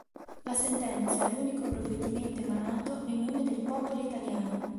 La sentenza è l'unico provvedimento emanato "nel nome del popolo italiano".